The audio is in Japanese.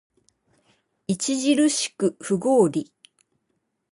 著しく不合理